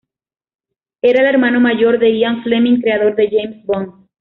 Era el hermano mayor de Ian Fleming, creador de James Bond.